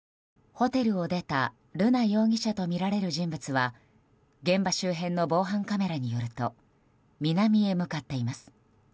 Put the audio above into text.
ホテルを出た瑠奈容疑者とみられる人物は現場周辺の防犯カメラによると南へ向かっています。